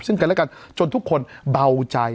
ซึ่งกันและกันจนทุกคนเบาใจ